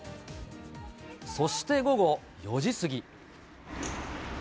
そして午後４時過ぎ。